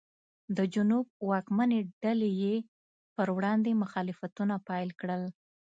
د جنوب واکمنې ډلې یې پر وړاندې مخالفتونه پیل کړل.